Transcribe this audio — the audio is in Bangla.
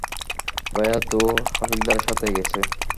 ভাইয়া তো হাবিলদারের সাথে গেছে।